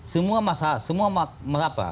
semua masalah semua